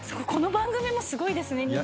この番組もすごいですね。